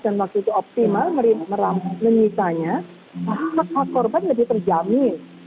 dan waktu itu optimal menyitanya maka korban lebih terjamin